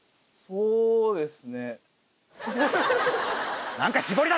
そうです。